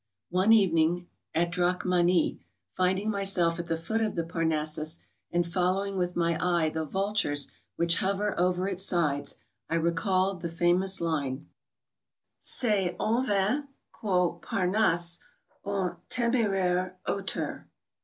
Oae eveniug, at Drachmani, fioding myself at the foot of the Parnassus, and following with my eye the vultures which hover over its sides, 1 recalled the famous line,— " C'est en vain qu'au Parnasse un t6meraire auteur."